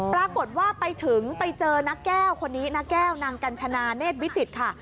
ปรากฏว่าไปถึงไปเจอน้าแก้วคนนี้น้าแก้วนางกัญชนาเนธวิจิตรค่ะ